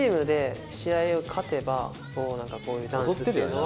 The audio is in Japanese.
こういうダンスっていうのは。